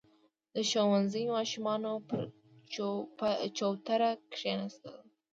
• د ښوونځي ماشومان پر چوتره کښېناستل.